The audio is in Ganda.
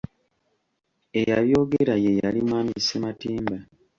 Eyabyogera ye yali mwani Ssematimba.